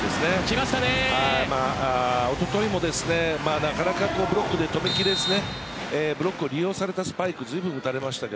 一昨日も、なかなかブロックで止め切れずブロックを利用されたスパイクを随分、打たれましたね。